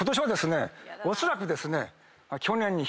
おそらくですね。